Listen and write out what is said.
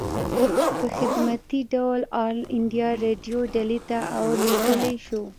پۀ خدمتي ډول آل انډيا ريډيو ډيلي ته اوليږلی شو